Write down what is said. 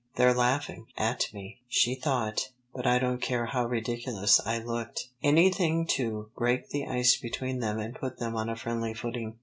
"They're laughing at me," she thought, "but I don't care how ridiculous I looked. Anything to break the ice between them and put them on a friendly footing."